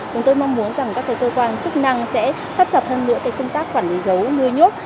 chúng tôi mong muốn các cơ quan chức năng sẽ thắt chập hơn nữa công tác quản lý gấu nuôi nước